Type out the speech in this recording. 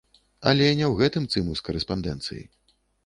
Але не ў гэтым цымус карэспандэнцыі.